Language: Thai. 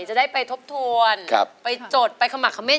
จะได้ไปทบทวนไปจดไปขมักเมต